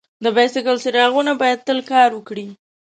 د بایسکل څراغونه باید تل کار وکړي.